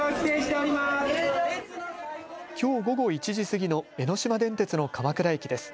きょう午後１時過ぎの江ノ島電鉄の鎌倉駅です。